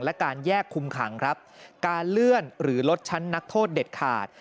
และการแยกคุมขังครับการเลื่อนหรือลดชั้นนักโทษเด็ดขาด